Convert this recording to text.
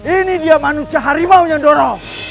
ini dia manusia harimau yang dorong